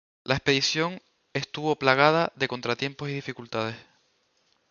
La expedición estuvo plagada de contratiempos y dificultades.